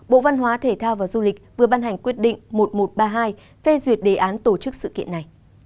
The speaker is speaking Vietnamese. bộ văn hóa thể thao và du lịch vừa ban hành quyết định một nghìn một trăm ba mươi hai phê duyệt đề án tổ chức sự kiện này